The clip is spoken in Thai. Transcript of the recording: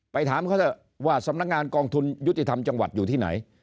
ถามเขาเถอะว่าสำนักงานกองทุนยุติธรรมจังหวัดอยู่ที่ไหน